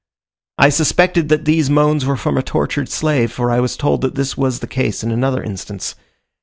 I suspected that these moans were from a tortured slave, for I was told that this was the case in another instance.